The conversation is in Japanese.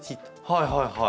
はいはいはい。